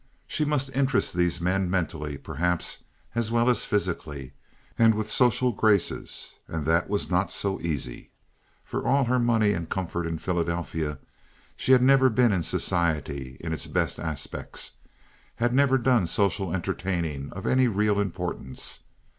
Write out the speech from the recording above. She must interest these men mentally, perhaps, as well as physically, and with social graces, and that was not so easy. For all her money and comfort in Philadelphia she had never been in society in its best aspects, had never done social entertaining of any real importance.